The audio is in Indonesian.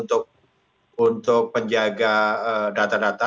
untuk penjaga data data